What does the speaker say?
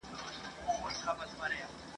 چي دا ټوله د دوستانو برکت دی ..